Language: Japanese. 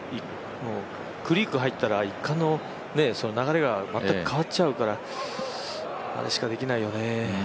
クリーク入ったら流れが全く変わっちゃうからあれしかできないよね。